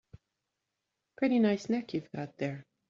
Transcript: Pretty nice neck you've got there.